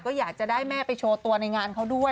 ก็อยากจะได้แม่ไปโชว์ตัวในงานเขาด้วย